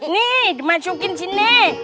nih dimasukin sini